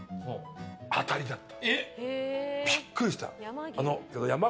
当たりだった。